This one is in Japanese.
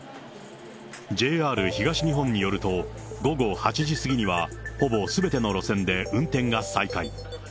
ＪＲ東日本によると、ごご８時過ぎにはほぼすべての路線で運転が再開。